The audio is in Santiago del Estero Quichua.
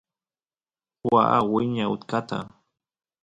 waa wiña utkata